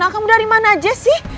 kamu dari mana aja sih